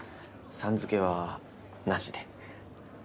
「さん」付けはなしで。